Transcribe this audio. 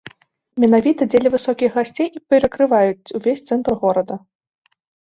Менавіта дзеля высокіх гасцей і перакрываюць увесь цэнтр горада.